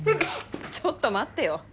ちょっと待ってよ。